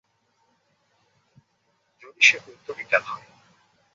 যদি সে Puerto Rican হয়।